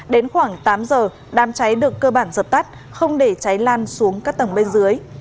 đến khoảng tám giờ đám cháy được cơ bản dập tắt không để cháy lan xuống các tầng bên dưới